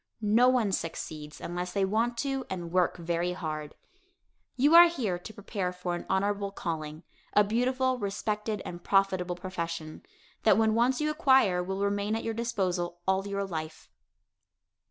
No one succeeds unless they want to and work very hard. You are here to prepare for an honorable calling, a beautiful, respected and profitable profession, that when once you acquire will remain at your disposal all your life.